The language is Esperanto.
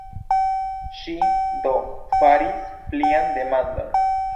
Ŝi, do, faris plian demandon.